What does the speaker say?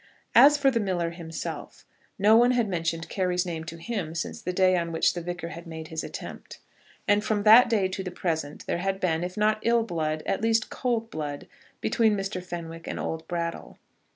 As for the miller himself, no one had mentioned Carry's name to him since the day on which the Vicar had made his attempt. And from that day to the present there had been, if not ill blood, at least cold blood between Mr. Fenwick and old Brattle.